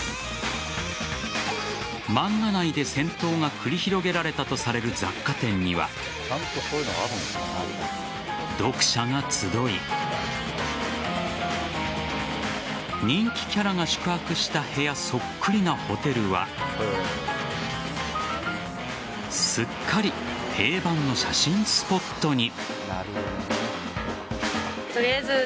漫画内で戦闘が繰り広げられたとされる雑貨店には読者が集い人気キャラが宿泊した部屋そっくりなホテルはすっかり定番の写真スポットに。